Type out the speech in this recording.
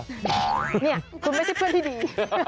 เนี่ยคุณไม่ใช่เพื่อนที่ดี